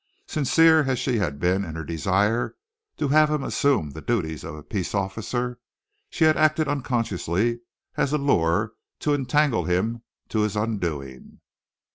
Sincere as she had been in her desire to have him assume the duties of peace officer, she had acted unconsciously as a lure to entangle him to his undoing.